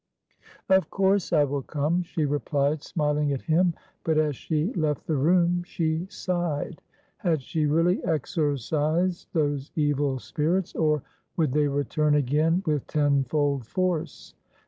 "Of course I will come," she replied, smiling at him. But as she left the room she sighed; had she really exorcised those evil spirits? or would they return again, with tenfold force?